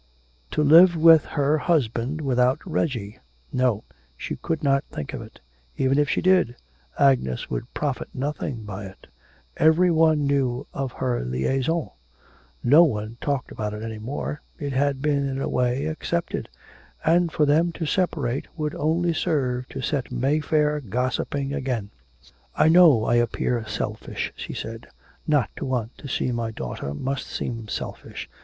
To live with her husband without Reggie! no, she could not think of it. Even if she did, Agnes would profit nothing by it. Every one knew of their liaison. No one talked about it any more, it had been in a way accepted, and for them to separate would only serve to set Mayfair gossiping again. 'I know I appear selfish,' she said; 'not to want to see my daughter must seem selfish.